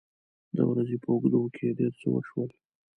د ورځې په اوږدو کې ډېر څه وشول.